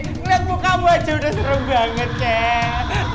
ngeliat muka wajah udah serem banget kek